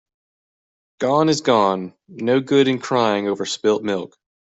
Gone is gone. No good in crying over spilt milk.